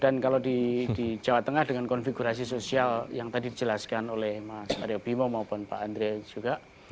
dan kalau di jawa tengah dengan konfigurasi sosial yang tadi dijelaskan oleh mas mario bimo maupun pak andri juga